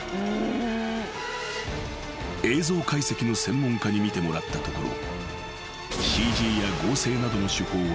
［映像解析の専門家に見てもらったところ］